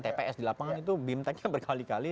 tps di lapangan itu bimtek nya berkali kali